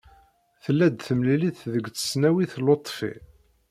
Tella-d temlilit deg tesnawit Luṭfi.